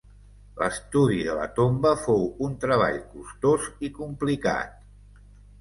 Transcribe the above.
L'estudi de la tomba fou un treball costós i complicat.